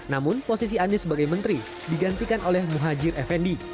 namun posisi anies sebagai menteri digantikan oleh muhajir effendi